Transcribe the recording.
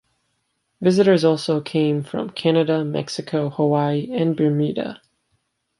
Visitors also came from Canada, Mexico, Hawaii and Bermuda.